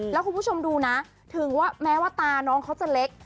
แล้วคุณผู้ชมดูนะถึงว่าแม้ว่าตาน้องเขาจะเล็ก